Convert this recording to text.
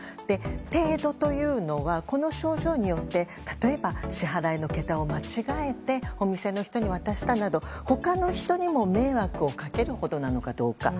程度というのはこの症状によって例えば、支払いの桁を間違えてお店の人に渡したなど他の人にも迷惑をかけるほどなのかどうか。